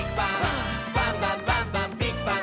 「バンバンバンバンビッグバン！」